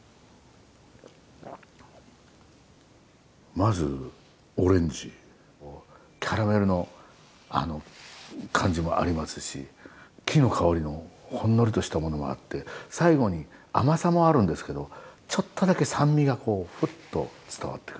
まずオレンジキャラメルの感じもありますし木の香りのほんのりとしたものがあって最後に甘さもあるんですけどちょっとだけ酸味がふっと伝わってくる。